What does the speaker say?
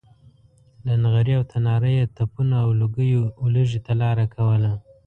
له نغري او تناره یې تپونو او لوګیو ولږې ته لاره کوله.